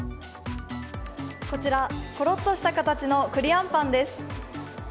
こちら、コロッとした形の栗あんぱんです。